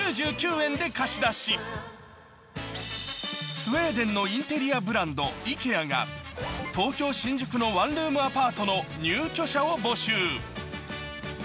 スウェーデンのインテリアブランドＩＫＥＡが東京・新宿のワンルームアパートの入居者を募集。